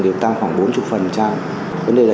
đều tăng khoảng bốn mươi vấn đề là